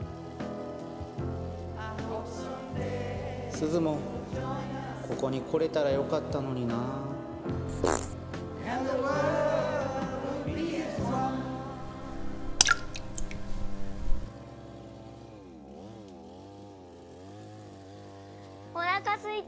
すずもここに来れたらよかったのになおなかすいた！